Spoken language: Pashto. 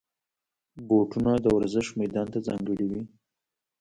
بوټونه د ورزش میدان ته ځانګړي وي.